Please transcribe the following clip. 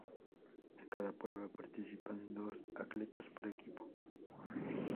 En cada prueba participan dos atletas por equipo.